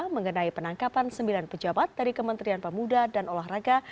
mengenai penangkapan sembilan pejabat dari kementerian pemuda dan olahraga